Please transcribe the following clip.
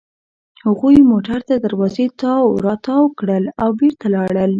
هغوی موټر تر دروازې تاو راتاو کړل او بېرته لاړل.